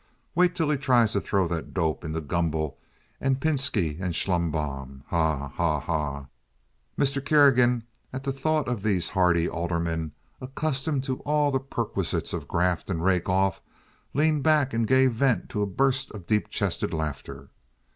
"Wait till he tries to throw that dope into Gumble and Pinski and Schlumbohm—haw, haw, haw!" Mr. Kerrigan, at the thought of these hearty aldermen accustomed to all the perquisites of graft and rake off, leaned back and gave vent to a burst of deep chested laughter.